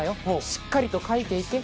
しっかりとかいていけ。